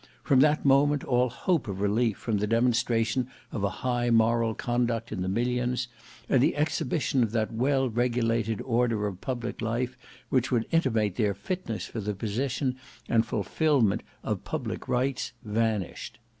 From that moment all hope of relief from the demonstration of a high moral conduct in the millions, and the exhibition of that well regulated order of public life which would intimate their fitness for the possession and fulfilment of public rights, vanished.